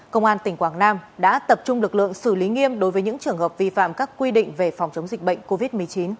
công an tỉnh quảng nam đã tập trung lực lượng xử lý nghiêm đối với những trường hợp vi phạm các quy định về phòng chống dịch bệnh covid một mươi chín